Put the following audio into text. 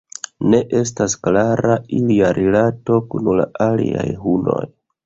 Ne estas klara ilia rilato kun la aliaj hunoj.